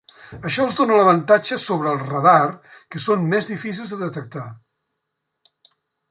Això els dóna l'avantatge sobre el radar que són més difícils de detectar.